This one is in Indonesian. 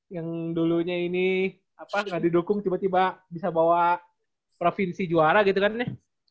yang dulunya ini apa nggak didukung tiba tiba bisa bawa provinsi juara gitu kan nih